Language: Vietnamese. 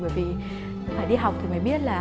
bởi vì phải đi học thì mới biết là